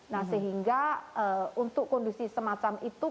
nah sehingga untuk kondisi semacam itu